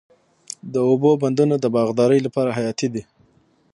د اوبو بندونه د باغدارۍ لپاره حیاتي دي.